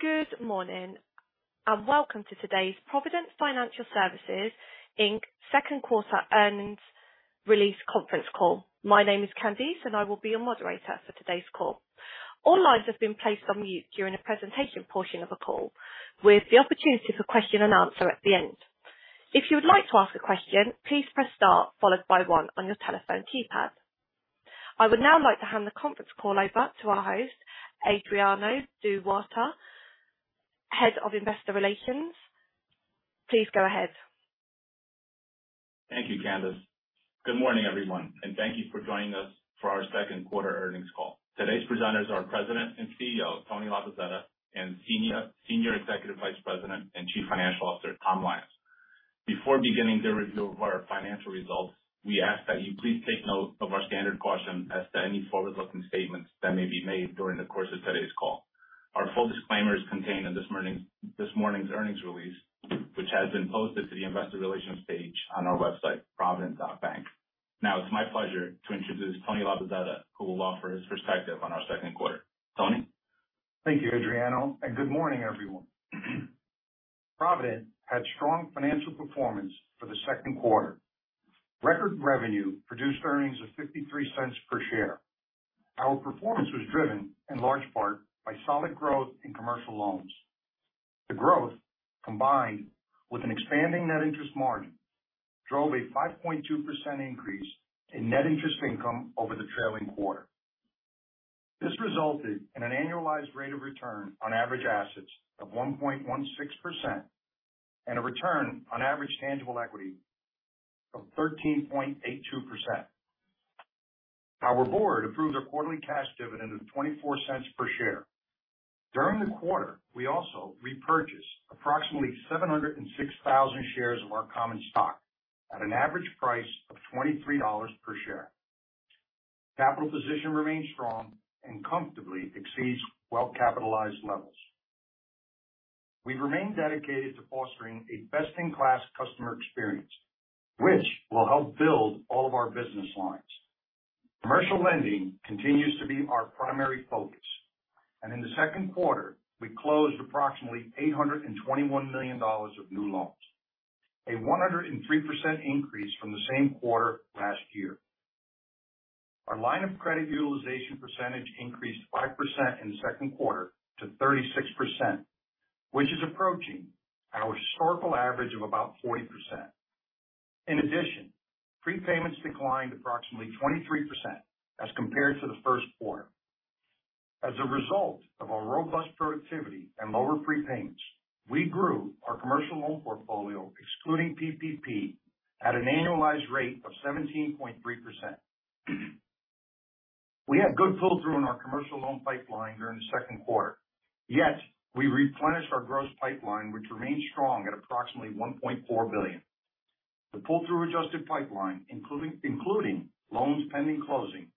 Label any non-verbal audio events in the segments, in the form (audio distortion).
Good morning, and welcome to today's Provident Financial Services, Inc second quarter earnings release conference call. My name is Candice, and I will be your moderator for today's call. All lines have been placed on mute during the presentation portion of the call, with the opportunity for question and answer at the end. If you would like to ask a question, please press star followed by one on your telephone keypad. I would now like to hand the conference call over to our host, Adriano Duarte, Head of Investor Relations. Please go ahead. Thank you, Candice. Good morning, everyone, and thank you for joining us for our second quarter earnings call. Today's presenters are President and CEO, Anthony Labozzetta, and Senior Executive Vice President and Chief Financial Officer, Thomas Lyons. Before beginning the review of our financial results, we ask that you please take note of our standard caution as to any forward-looking statements that may be made during the course of today's call. Our full disclaimer is contained in this morning's earnings release, which has been posted to the investor relations page on our website, provident.bank. Now it's my pleasure to introduce Anthony Labozzetta, who will offer his perspective on our second quarter. Tony. Thank you, Adriano, and good morning, everyone. Provident had strong financial performance for the second quarter. Record revenue produced earnings of $0.53 per share. Our performance was driven in large part by solid growth in commercial loans. The growth, combined with an expanding net interest margin, drove a 5.2% increase in net interest income over the trailing quarter. This resulted in an annualized rate of return on average assets of 1.16% and a return on average tangible equity of 13.82%. Our board approved a quarterly cash dividend of $0.24 per share. During the quarter, we also repurchased approximately 706,000 shares of our common stock at an average price of $23 per share. Capital position remains strong and comfortably exceeds well-capitalized levels. We remain dedicated to fostering a best-in-class customer experience, which will help build all of our business lines. Commercial lending continues to be our primary focus, and in the second quarter, we closed approximately $821 million of new loans, a 103% increase from the same quarter last year. Our line of credit utilization percentage increased 5% in the second quarter to 36%, which is approaching our historical average of about 40%. In addition, prepayments declined approximately 23% as compared to the first quarter. As a result of our robust productivity and lower prepayments, we grew our commercial loan portfolio, excluding PPP, at an annualized rate of 17.3%. We had good pull-through in our commercial loan pipeline during the second quarter, yet we replenished our gross pipeline, which remained strong at approximately $1.4 billion. The pull-through adjusted pipeline, including loans pending closing,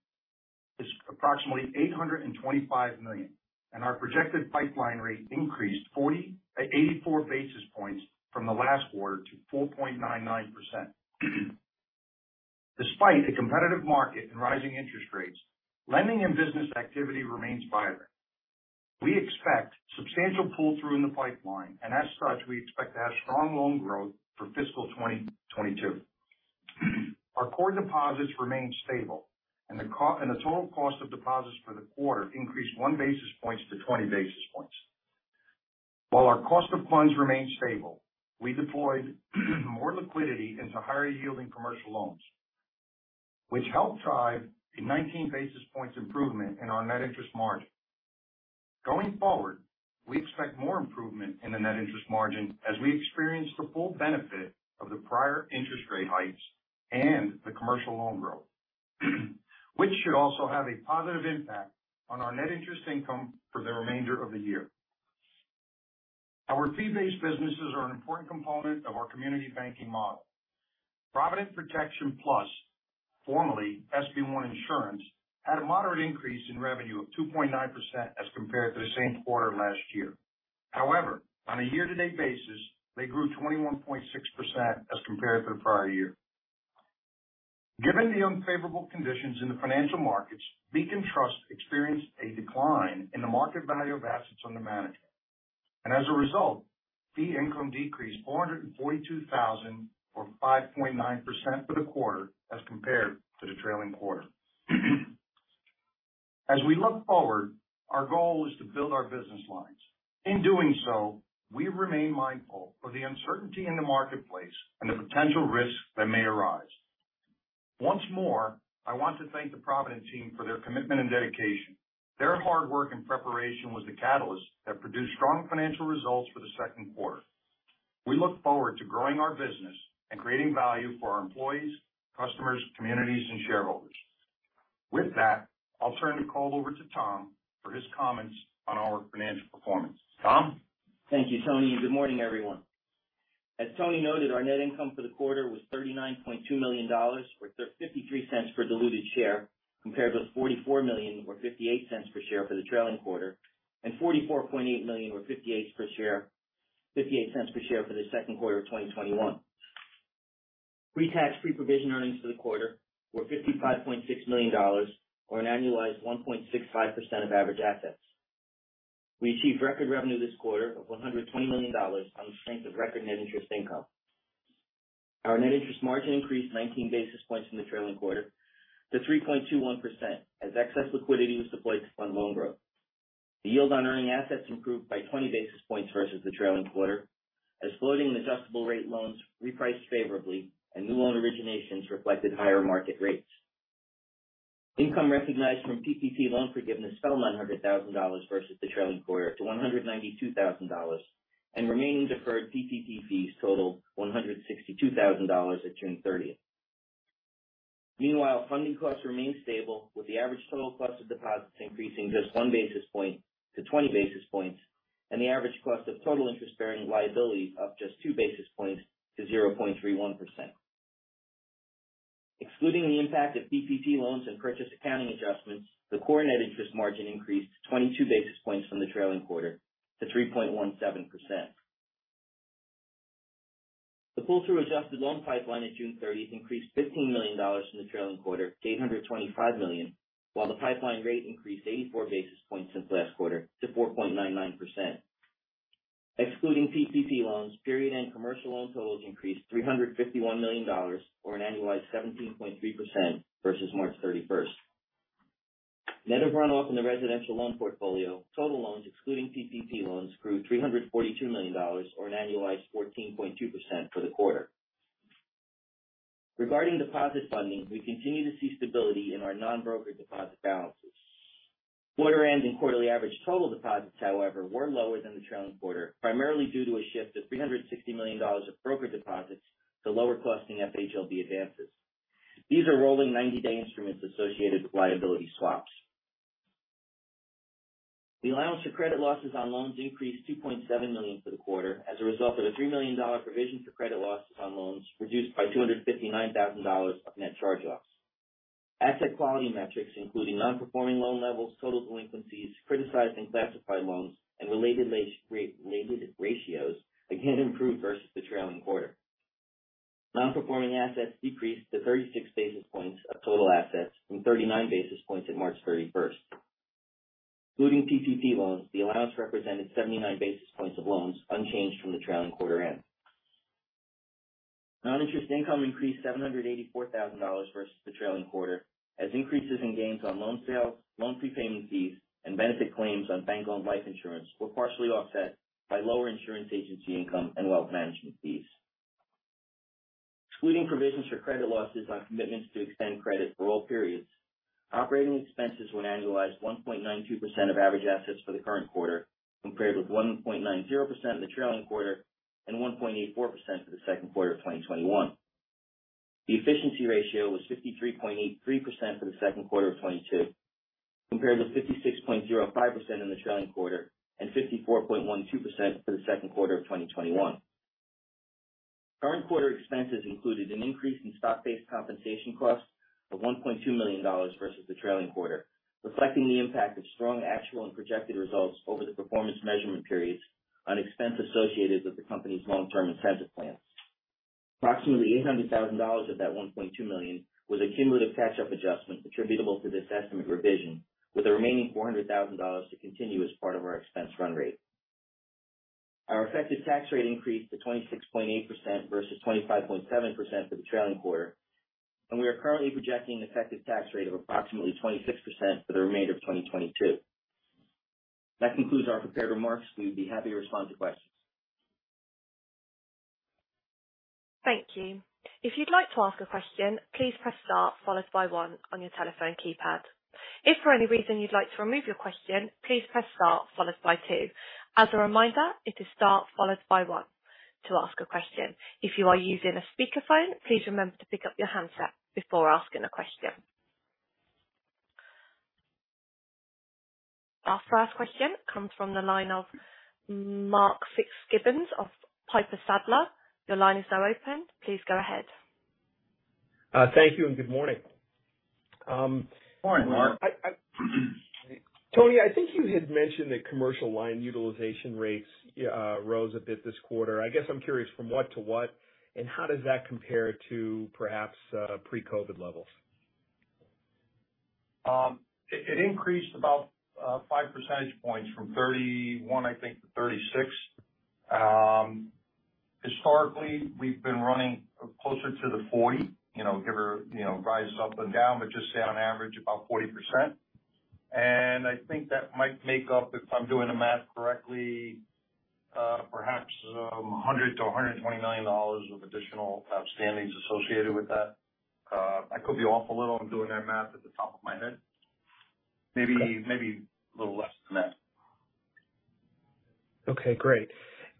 is approximately $825 million, and our projected pipeline rate increased 84 basis points from the last quarter to 4.99%. Despite a competitive market and rising interest rates, lending and business activity remains vibrant. We expect substantial pull-through in the pipeline, and as such, we expect to have strong loan growth for fiscal 2022. Our core deposits remain stable and the total cost of deposits for the quarter increased 1 basis point-20 basis points. While our cost of funds remains stable, we deployed more liquidity into higher-yielding commercial loans, which helped drive a 19 basis points improvement in our net interest margin. Going forward, we expect more improvement in the net interest margin as we experience the full benefit of the prior interest rate hikes and the commercial loan growth, which should also have a positive impact on our net interest income for the remainder of the year. Our fee-based businesses are an important component of our community banking model. Provident Protection Plus, formerly SB One Insurance, had a moderate increase in revenue of 2.9% as compared to the same quarter last year. However, on a year-to-date basis, they grew 21.6% as compared to the prior year. Given the unfavorable conditions in the financial markets, Beacon Trust experienced a decline in the market value of assets under management. As a result, fee income decreased $442,000 or 5.9% for the quarter as compared to the trailing quarter. As we look forward, our goal is to build our business lines. In doing so, we remain mindful of the uncertainty in the marketplace and the potential risks that may arise. Once more, I want to thank the Provident team for their commitment and dedication. Their hard work and preparation was the catalyst that produced strong financial results for the second quarter. We look forward to growing our business and creating value for our employees, customers, communities, and shareholders. With that, I'll turn the call over to Tom for his comments on our financial performance. Tom? Thank you, Tony, and good morning, everyone. As Tony noted, our net income for the quarter was $39.2 million or $0.53 per diluted share, compared with $44 million or $0.58 per share for the trailing quarter and $44.8 million or $0.58 per share for the second quarter of 2021. Pre-tax pre-provision earnings for the quarter were $55.6 million or an annualized 1.65% of average assets. We achieved record revenue this quarter of $120 million on the strength of record net interest income. Our net interest margin increased 19 basis points from the trailing quarter to 3.21% as excess liquidity was deployed to fund loan growth. The yield on earning assets improved by 20 basis points versus the trailing quarter as floating and adjustable rate loans repriced favorably and new loan originations reflected higher market rates. Income recognized from PPP loan forgiveness fell $900,000 versus the trailing quarter to $192,000, and remaining deferred PPP fees totaled $162,000 at June 30. Meanwhile, funding costs remained stable, with the average total cost of deposits increasing just 1 basis point-20 basis points and the average cost of total interest-bearing liability up just 2 basis points to 0.31%. Excluding the impact of PPP loans and purchase accounting adjustments, the core net interest margin increased 22 basis points from the trailing quarter to 3.17%. The pull-through adjusted loan pipeline at June 30 increased $15 million from the trailing quarter to $825 million, while the pipeline rate increased 84 basis points since last quarter to 4.99%. Excluding PPP loans, period end commercial loan totals increased $351 million or an annualized 17.3% versus March 31. Net of runoff in the residential loan portfolio, total loans excluding PPP loans grew $342 million or an annualized 14.2% for the quarter. Regarding deposit funding, we continue to see stability in our non-broker deposit balances. Quarter end and quarterly average total deposits, however, were lower than the trailing quarter, primarily due to a shift of $360 million of broker deposits to lower costing FHLB advances. These are rolling 90-day instruments associated with liability swaps. The allowance for credit losses on loans increased $2.7 million for the quarter as a result of a $3 million provision for credit losses on loans reduced by $259,000 of net charge-offs. Asset quality metrics, including non-performing loan levels, total delinquencies, criticized and classified loans, and related (audio distortion) ratios again improved versus the trailing quarter. Non-performing assets decreased to 36 basis points of total assets from 39 basis points at March 31st. Including PPP loans, the allowance represented 79 basis points of loans unchanged from the trailing quarter end. Non-interest income increased $784,000 versus the trailing quarter, as increases in gains on loan sales, loan prepayment fees, and benefit claims on bank-owned life insurance were partially offset by lower insurance agency income and wealth management fees. Excluding provisions for credit losses on commitments to extend credit for all periods, operating expenses were annualized 1.92% of average assets for the current quarter, compared with 1.90% in the trailing quarter and 1.84% for the second quarter of 2021. The efficiency ratio was 53.83% for the second quarter of 2022, compared with 56.05% in the trailing quarter and 54.12% for the second quarter of 2021. Current quarter expenses included an increase in stock-based compensation costs of $1.2 million versus the trailing quarter, reflecting the impact of strong actual and projected results over the performance measurement periods on expense associated with the company's long-term incentive plans. Approximately $800,000 of that $1.2 million was a cumulative catch-up adjustment attributable to this estimate revision, with the remaining $400,000 to continue as part of our expense run rate. Our effective tax rate increased to 26.8% versus 25.7% for the trailing quarter, and we are currently projecting an effective tax rate of approximately 26% for the remainder of 2022. That concludes our prepared remarks. We'd be happy to respond to questions. Thank you. If you'd like to ask a question, please press star followed by one on your telephone keypad. If for any reason you'd like to remove your question, please press star followed by two. As a reminder, it is star followed by one to ask a question. If you are using a speakerphone, please remember to pick up your handset before asking a question. Our first question comes from the line of Mark Fitzgibbon of Piper Sandler. Your line is now open. Please go ahead. Thank you, and good morning. Morning, Mark. Tony, I think you had mentioned that commercial loan utilization rates rose a bit this quarter. I guess I'm curious from what to what, and how does that compare to perhaps pre-COVID levels? It increased about 5 percentage points from 31, I think, to 36. Historically, we've been running closer to the 40, you know, give or, you know, rise up and down, but just say on average, about 40%. I think that might make up, if I'm doing the math correctly, perhaps $100 million-$120 million of additional spendings associated with that. I could be off a little. I'm doing that math at the top of my head. Maybe a little less than that. Okay, great.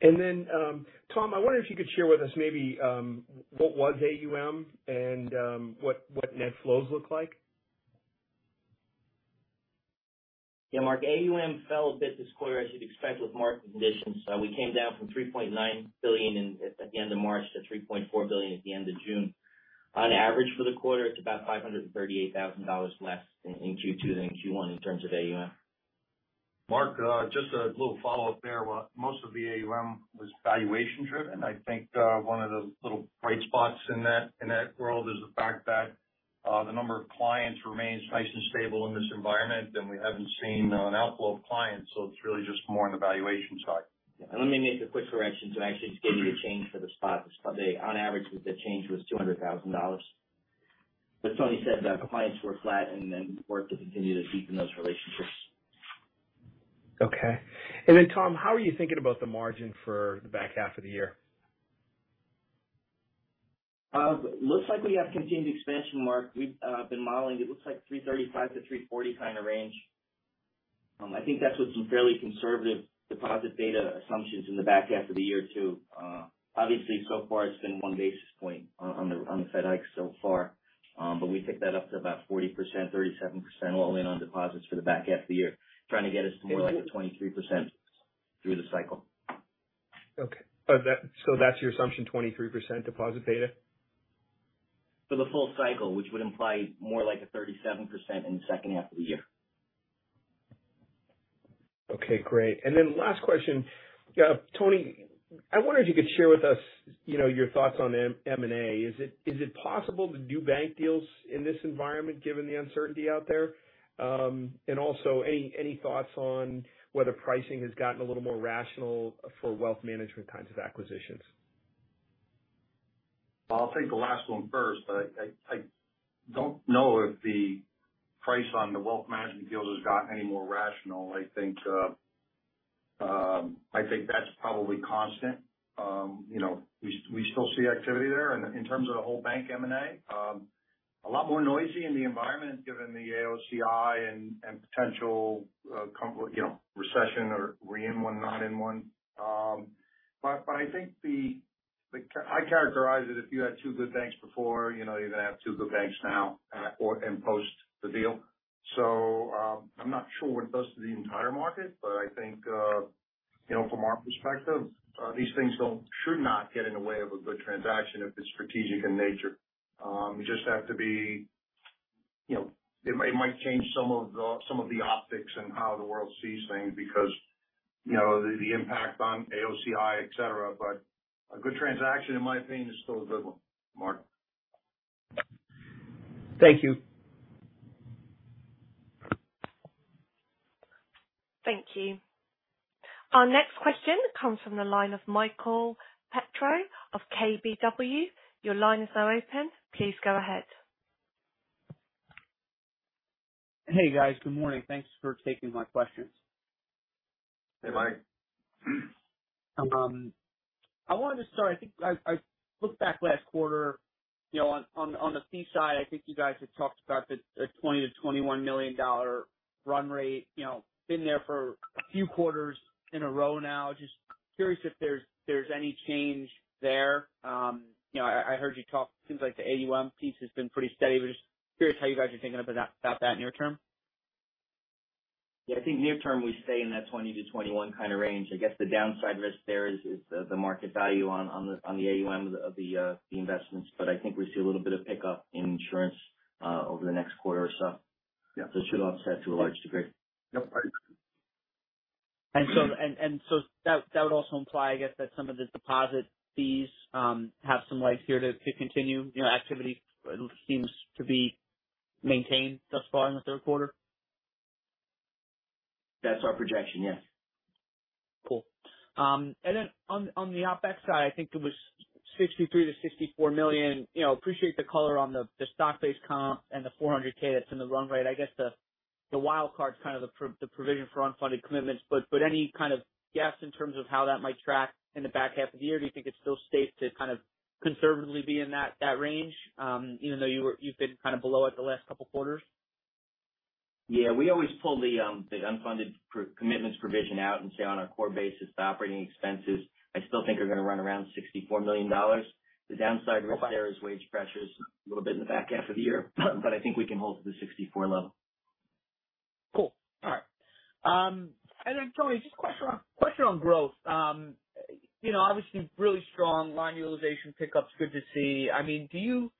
Tom, I wonder if you could share with us maybe what was AUM and what net flows look like. Yeah, Mark, AUM fell a bit this quarter, as you'd expect with market conditions. We came down from $3.9 billion at the end of March to $3.4 billion at the end of June. On average for the quarter, it's about $538,000 less in Q2 than in Q1 in terms of AUM. Mark, just a little follow-up there. What most of the AUM was valuation-driven. I think, one of the little bright spots in that world is the fact that, the number of clients remains nice and stable in this environment, and we haven't seen an outflow of clients, so it's really just more on the valuation side. Yeah. Let me make a quick correction to actually just give you the change for the spot. On average, the change was $200,000. Tony said that clients were flat and then work to continue to deepen those relationships. Okay. Tom, how are you thinking about the margin for the back half of the year? Looks like we have continued expansion, Mark. We've been modeling. It looks like 3.35-3.40 kind of range. I think that's with some fairly conservative deposit beta assumptions in the back half of the year, too. Obviously, so far it's been 1 basis point on the Fed hikes so far. We pick that up to about 40%, 37% all in on deposits for the back half of the year. Trying to get us to more like a 23% through the cycle. Okay. That's your assumption, 23% deposit beta? For the full cycle, which would imply more like a 37% in the second half of the year. Okay, great. Last question. Tony, I wonder if you could share with us, you know, your thoughts on M&A. Is it possible to do bank deals in this environment given the uncertainty out there? And also any thoughts on whether pricing has gotten a little more rational for wealth management kinds of acquisitions? I'll take the last one first. I don't know if the price on the wealth management deals has gotten any more rational. I think that's probably constant. You know, we still see activity there. In terms of the whole bank M&A, a lot more noisy in the environment given the AOCI and potential, you know, recession or we're in one, not in one. But I think I characterize it if you had two good banks before, you know, you're going to have two good banks now, or and post the deal. I'm not sure what it does to the entire market, but I think, you know, from our perspective, these things don't should not get in the way of a good transaction if it's strategic in nature. You just have to be, you know, it might change some of the optics and how the world sees things because you know, the impact on AOCI, et cetera. A good transaction in my opinion is still a good one, Mark. Thank you. Thank you. Our next question comes from the line of Michael Perito of KBW. Your line is now open. Please go ahead. Hey guys, good morning. Thanks for taking my questions. Hey Mike. I wanted to start. I think I looked back last quarter, you know, on the fee side. I think you guys had talked about a $20 million-$21 million run rate. You know, been there for a few quarters in a row now. Just curious if there's any change there. You know, I heard you talk. Seems like the AUM piece has been pretty steady. We're just curious how you guys are thinking about that near term. Yeah, I think near term we stay in that 20-21 kind of range. I guess the downside risk there is the market value on the AUM of the investments. I think we see a little bit of pickup in insurance over the next quarter or so. Yeah. It should offset to a large degree. That would also imply I guess that some of the deposit fees have some legs here to continue. You know, activity seems to be maintained thus far in the third quarter. That's our projection, yes. Cool. On the OpEx side, I think it was $63 million-$64 million. Appreciate the color on the stock-based comp and the $400K that's in the run rate. I guess the wild card is kind of the provision for unfunded commitments, but any kind of guess in terms of how that might track in the back half of the year? Do you think it's still safe to kind of conservatively be in that range, even though you've been kind of below it the last couple of quarters? Yeah. We always pull the unfunded commitments provision out and say on a core basis, the operating expenses I still think are going to run around $64 million. The downside risk there is wage pressures a little bit in the back half of the year. I think we can hold to the 64 level. Cool. All right. Then Tony, just a question on growth. You know, obviously really strong line utilization pickup's good to see. I mean, do you,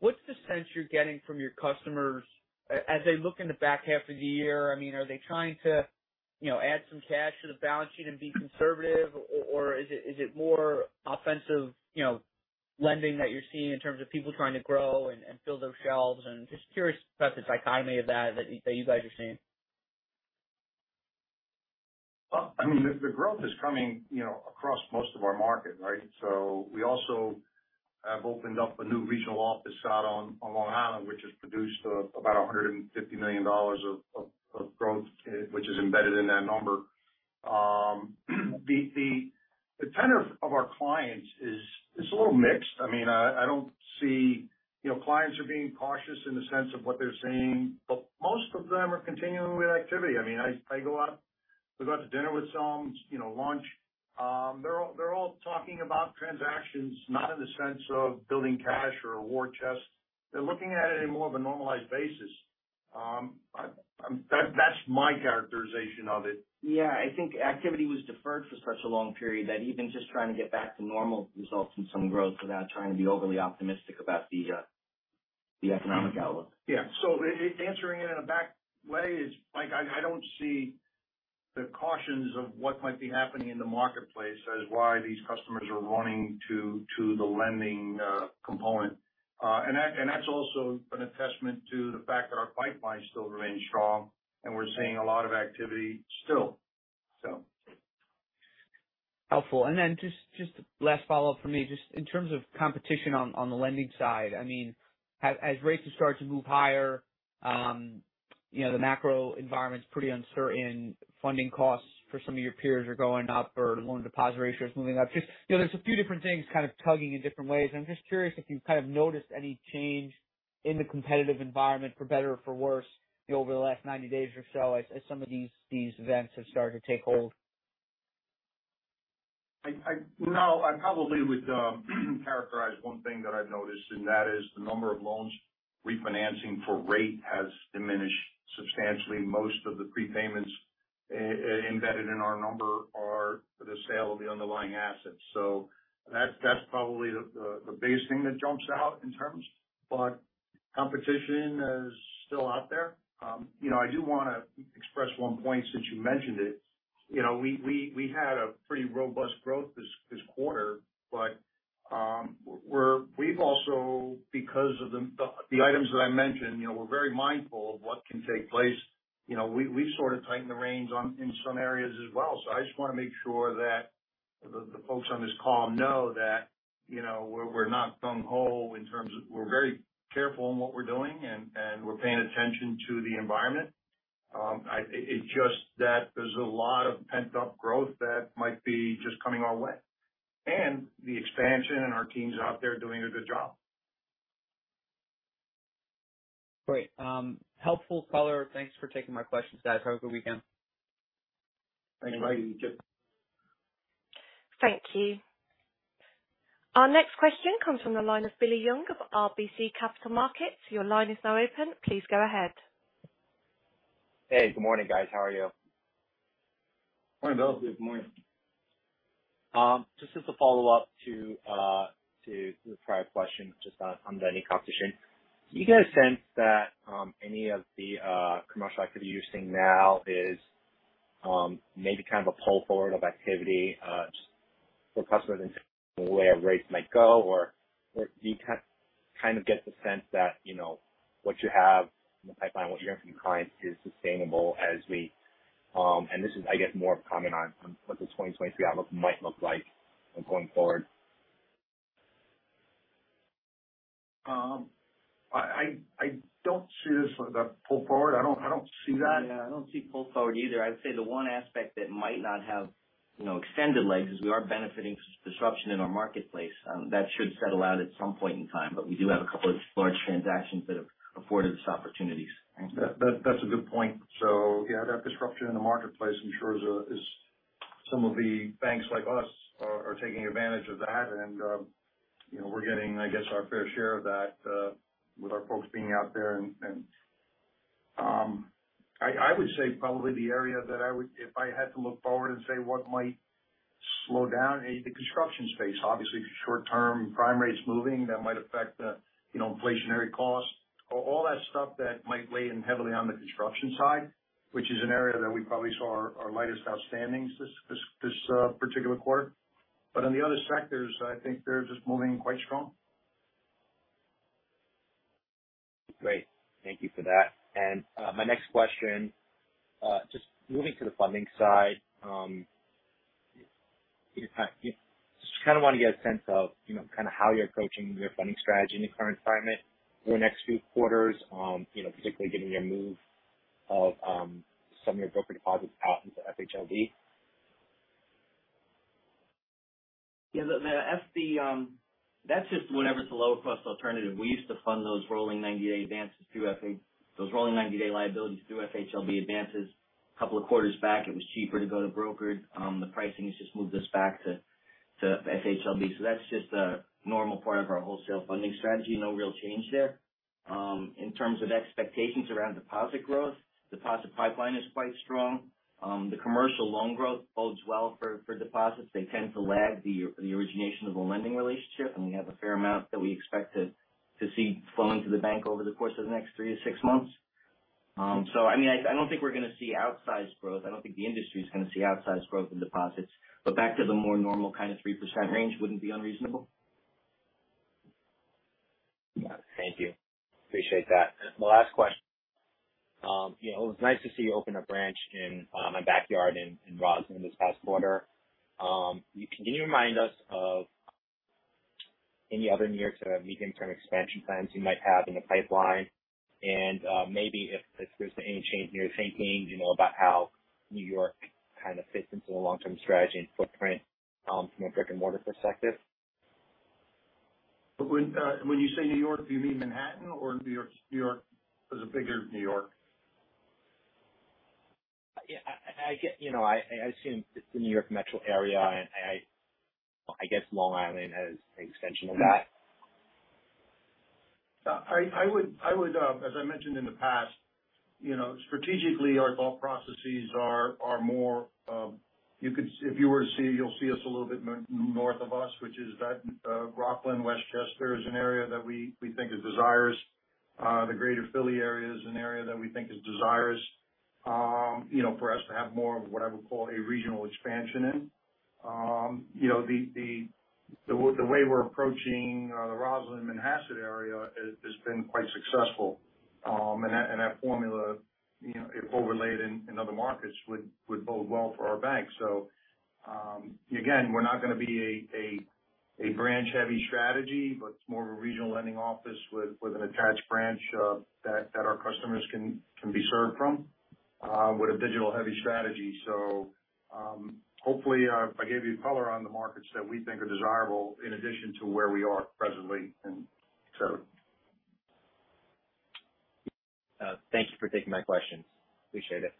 what's the sense you're getting from your customers as they look in the back half of the year? I mean, are they trying to, you know, add some cash to the balance sheet and be conservative? Or is it more offensive, you know, lending that you're seeing in terms of people trying to grow and fill their shelves? Just curious about the dichotomy of that you guys are seeing. Well, I mean, the growth is coming, you know, across most of our market, right? We also have opened up a new regional office out on Long Island, which has produced about $150 million of growth, which is embedded in that number. The tenor of our clients is, it's a little mixed. I mean, I don't see, you know, clients are being cautious in the sense of what they're saying, but most of them are continuing with activity. I mean, I go out to dinner with some, you know, lunch. They're all talking about transactions, not in the sense of building cash or a war chest. They're looking at it in more of a normalized basis. That's my characterization of it. Yeah. I think activity was deferred for such a long period that even just trying to get back to normal results in some growth without trying to be overly optimistic about the economic outlook. Yeah, answering it in a back way is Mike. I don't see the cautions of what might be happening in the marketplace as why these customers are running to the lending component. And that's also a testament to the fact that our pipeline still remains strong and we're seeing a lot of activity still. Helpful. Then just last follow-up for me, just in terms of competition on the lending side. I mean, as rates have started to move higher, you know, the macro environment's pretty uncertain. Funding costs for some of your peers are going up or loan deposit ratios moving up. Just, you know, there's a few different things kind of tugging in different ways. I'm just curious if you've kind of noticed any change in the competitive environment for better or for worse over the last 90 days or so as some of these events have started to take hold. No, I probably would characterize one thing that I've noticed, and that is the number of loans refinancing for rate has diminished substantially. Most of the prepayments embedded in our number are for the sale of the underlying assets. That's probably the base thing that jumps out in terms. Competition is still out there. You know, I do wanna express one point since you mentioned it. You know, we had a pretty robust growth this quarter. We're very mindful of what can take place because of the items that I mentioned. You know, we sort of tighten the reins on in some areas as well. I just wanna make sure that the folks on this call know that, you know, we're not gung-ho in terms of. We're very careful in what we're doing and, we're paying attention to the environment. It's just that there's a lot of pent-up growth that might be just coming our way. The expansion and our teams are out there doing a good job. Great. Helpful color. Thanks for taking my questions, guys. Have a good weekend. Thank you, Mike. You too. Thank you. Our next question comes from the line of Timmy Young of RBC Capital Markets. Your line is now open. Please go ahead. Hey, good morning, guys. How are you? Morning, Timmy. Good morning. Just as a follow-up to the prior question, just on the new competition. Do you get a sense that any of the commercial activity you're seeing now is maybe kind of a pull forward of activity just for customers in terms of where rates might go or do you kind of get the sense that, you know, what you have in the pipeline, what you're hearing from clients is sustainable as we. This is, I guess, more of a comment on what the 2023 outlook might look like going forward. I don't see this as a pull forward. I don't see that. Yeah. I don't see pull forward either. I'd say the one aspect that might not have, you know, extended legs is we are benefiting from disruption in our marketplace. That should settle out at some point in time. We do have a couple of large transactions that have afforded us opportunities. Thanks. That's a good point. Yeah, that disruption in the marketplace ensures some of the banks like us are taking advantage of that. You know, we're getting, I guess, our fair share of that with our folks being out there. I would say probably the area if I had to look forward and say what might slow down is the construction space. Obviously, short-term prime rates moving, that might affect you know, inflationary costs. All that stuff that might weigh in heavily on the construction side, which is an area that we probably saw our lightest outstandings this particular quarter. On the other sectors, I think they're just moving quite strong. Great. Thank you for that. My next question, just moving to the funding side. I kind of wanna get a sense of, you know, kind of how you're approaching your funding strategy in the current environment over the next few quarters, you know, particularly given your move of some of your broker deposits out into FHLB. Yeah, the FHLB, that's just whatever's the lower cost alternative. We used to fund those rolling 90-day liabilities through FHLB advances. A couple of quarters back, it was cheaper to go to brokers. The pricing has just moved us back to FHLB. That's just a normal part of our wholesale funding strategy. No real change there. In terms of expectations around deposit growth, deposit pipeline is quite strong. The commercial loan growth bodes well for deposits. They tend to lag the origination of a lending relationship, and we have a fair amount that we expect to see flow into the bank over the course of the next three-six months. I mean, I don't think we're gonna see outsized growth. I don't think the industry is gonna see outsized growth in deposits. Back to the more normal kind of 3% range wouldn't be unreasonable. Got it. Thank you. Appreciate that. My last question. You know, it was nice to see you open a branch in my backyard in Roslyn this past quarter. Can you remind us of any other near to medium-term expansion plans you might have in the pipeline? Maybe if there's any change in your thinking, you know, about how New York kind of fits into the long-term strategy and footprint, from a brick and mortar perspective. When you say New York, do you mean Manhattan or New York, New York? There's a bigger New York. Yeah. You know, I assume it's the New York metro area. I guess Long Island as an extension of that. I would, as I mentioned in the past, you know, strategically our thought processes are more, you could, if you were to see, you'll see us a little bit north of us, which is that, Rockland, Westchester is an area that we think is desirous. The greater Philly area is an area that we think is desirous, you know, for us to have more of what I would call a regional expansion in. You know, the way we're approaching the Roslyn, Manhasset area has been quite successful. That formula, you know, if overlaid in other markets would bode well for our bank. Again, we're not gonna be a branch-heavy strategy, but more of a regional lending office with an attached branch that our customers can be served from with a digital-heavy strategy. Hopefully, I gave you color on the markets that we think are desirable in addition to where we are presently. Thank you for taking my questions. Appreciate it.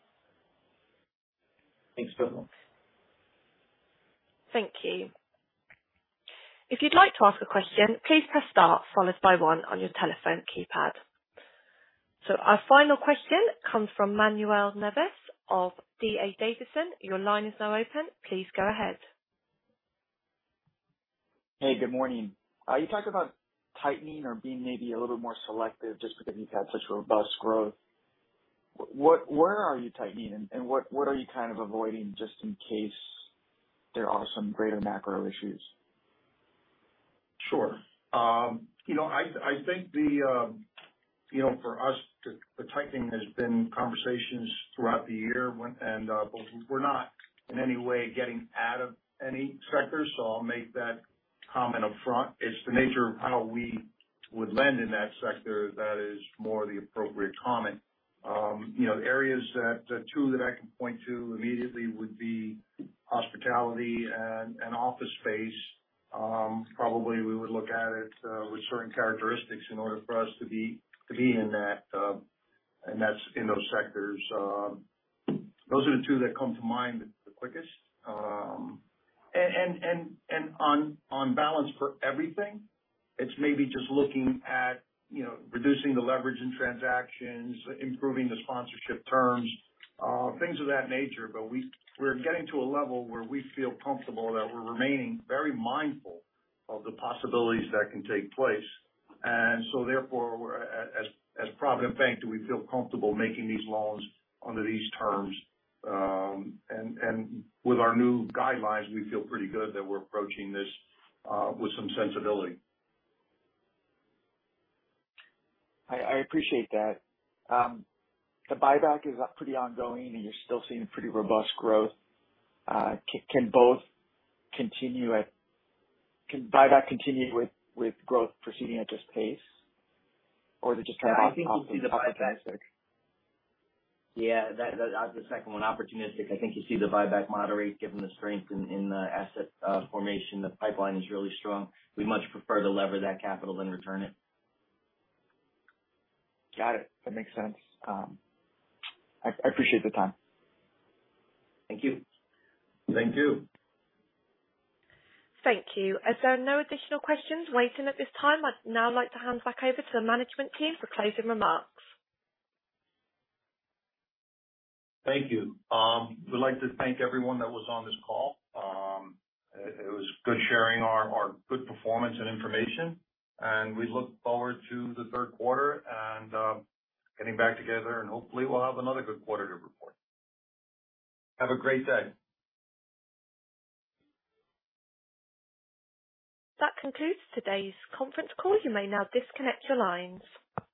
Thanks very much. Thank you. If you'd like to ask a question, please press star followed by one on your telephone keypad. Our final question comes from Manuel Navas of D.A. Davidson. Your line is now open. Please go ahead. Hey, good morning. You talked about tightening or being maybe a little bit more selective just because you've had such robust growth. What, where are you tightening and what are you kind of avoiding just in case there are some greater macro issues? Sure. You know, I think the tightening has been conversations throughout the year, but we're not in any way getting out of any sector. I'll make that comment upfront. It's the nature of how we would lend in that sector that is more the appropriate comment. You know, the two areas that I can point to immediately would be hospitality and office space. Probably we would look at it with certain characteristics in order for us to be in that, and that's in those sectors. Those are the two that come to mind the quickest. On balance for everything, it's maybe just looking at, you know, reducing the leverage in transactions, improving the sponsorship terms, things of that nature. We're getting to a level where we feel comfortable that we're remaining very mindful of the possibilities that can take place. Therefore, we're as Provident Bank, do we feel comfortable making these loans under these terms? With our new guidelines, we feel pretty good that we're approaching this with some sensibility. I appreciate that. The buyback is pretty ongoing and you're still seeing pretty robust growth. Can buyback continue with growth proceeding at this pace? Or is it just kind of opportunistic? Yeah, I think you see the buyback. Yeah. That the second one, opportunistic, I think you see the buyback moderate given the strength in the asset formation. The pipeline is really strong. We much prefer to lever that capital than return it. Got it. That makes sense. I appreciate the time. Thank you. Thank you. Thank you. As there are no additional questions waiting at this time, I'd now like to hand back over to the management team for closing remarks. Thank you. We'd like to thank everyone that was on this call. It was good sharing our good performance and information, and we look forward to the third quarter and getting back together and hopefully we'll have another good quarter to report. Have a great day. That concludes today's conference call. You may now disconnect your lines.